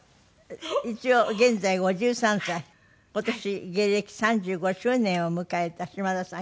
一応現在５３歳今年芸歴３５周年を迎えた島田さん。